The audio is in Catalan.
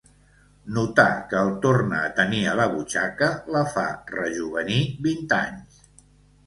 Notar que el torna a tenir a la butxaca la fa rejovenir vint anys.